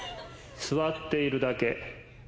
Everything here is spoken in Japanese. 「座っているだけ」